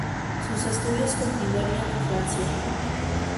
Sus estudios continuarían en Francia.